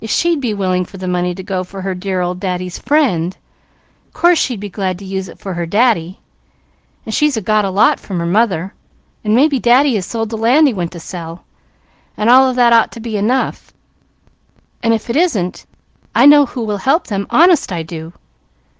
If she'd be willing for the money to go for her 'dear old Daddy's' friend, course she'd be glad to use it for her Daddy, and she's got a lot from her mother, and maybe Daddy has sold the land he went to sell, and all of that ought to be enough; and if it isn't, I know who will help them. Honest I do!"